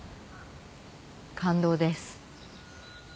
感動です。